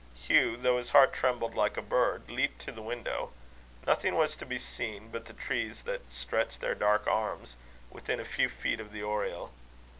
Hugh, though his heart trembled like a bird, leaped to the window. Nothing was to be seen but the trees that "stretched their dark arms" within a few feet of the oriel.